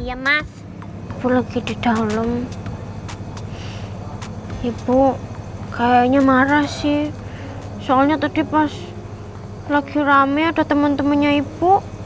iya mas pulang ke di dalam ibu kayaknya marah sih soalnya tadi pas lagi rame ada temen temennya ibu